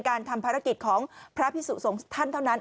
การทำภารกิจของพระพิสุสงฆ์ท่านเท่านั้น